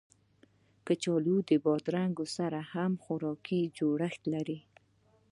کچالو د بادرنګ سره هم خوراکي جوړښت لري